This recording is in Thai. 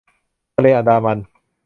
ทะเลอันดามัน